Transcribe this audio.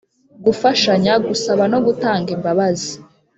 gufashanya, gusaba no gutanga imbabazi ;